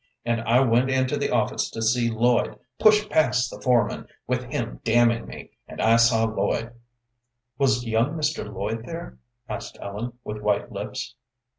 And I went into the office to see Lloyd, pushed past the foreman, with him damning me, and I saw Lloyd." "Was young Mr. Lloyd there?" asked Ellen, with white lips.